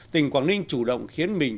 tỉnh quảng ninh chủ động khiến mình